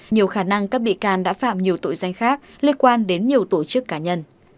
nhiều khả năng các bị can đã phạm nhiều tội danh khác liên quan đến nhiều tổ chức cá nhân